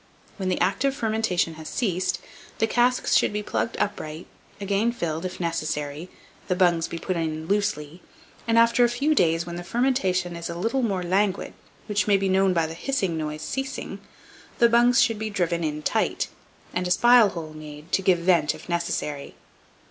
When the active fermentation has ceased, the casks should be plugged upright, again filled, if necessary, the bungs be put in loosely, and, after a few days, when the fermentation is a little more languid (which may be known, by the hissing noise ceasing), the bungs should be driven in tight, and a spile hole made, to give vent if necessary.